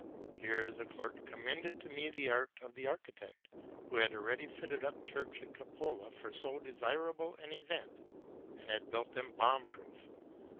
Here the clerk com mended to me the art of the architect, who had already fitted up church and cupola for so undesirable an event, and had built them bomb proof.